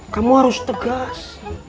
kamu harus tegas